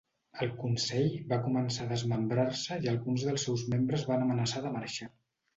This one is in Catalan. El Consell va començar a desmembrar-se i alguns dels seus membres van amenaçar de marxar.